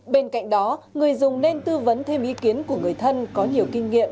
bên cạnh đó người dùng nên tư vấn thêm ý kiến của người thân có nhiều kinh nghiệm